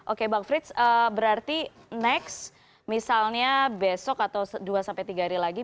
oke bang frits berarti next misalnya besok atau dua sampai tiga hari lagi